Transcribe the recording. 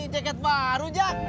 ceket baru jak